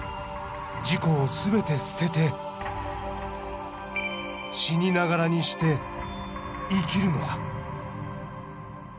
自己を全て捨てて死にながらにして生きるのだ」。